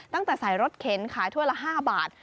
ตั้งแต่ใส่รถเข็นขายถ้วยละ๕บาท